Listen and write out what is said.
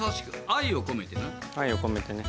愛を込めてね。